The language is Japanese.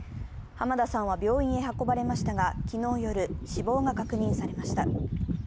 浜田さんは病院に運ばれましたが、昨日夜、死亡が確認されました。